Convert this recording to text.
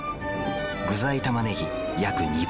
具材たまねぎ約２倍。